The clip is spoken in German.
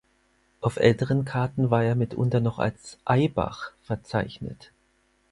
Auf älteren Karten war er mitunter noch als "Eybach" verzeichnet.